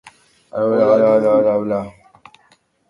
Caroline ez da beti ohartzen nire asmoez.